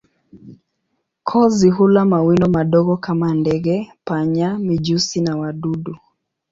Kozi hula mawindo madogo kama ndege, panya, mijusi na wadudu.